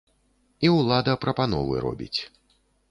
І ўлада прапановы робіць.